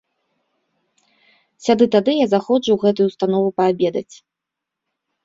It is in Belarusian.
Сяды-тады я заходжу ў гэтую ўстанову паабедаць.